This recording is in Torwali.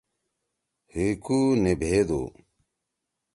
حی کُو نہ بھیدُو۔